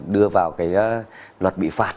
đưa vào cái luật bị phạt